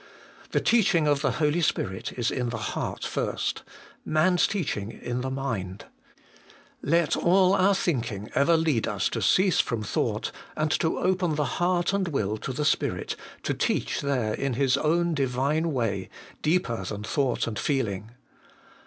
The teaching of the Holy Spirit is in the heart first ; man's teaching in the mind. Let all our thinking ever lead us to cease from thought, and to open the heart and will to the Spirit to teach there in His own Diuine way, deeper than thought and feeling.